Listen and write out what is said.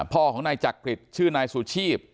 พ่อของนายจักริตชื่อนายสุชีพ